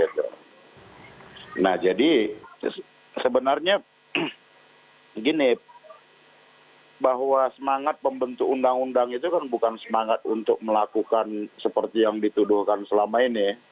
nah jadi sebenarnya gini bahwa semangat pembentuk undang undang itu kan bukan semangat untuk melakukan seperti yang dituduhkan selama ini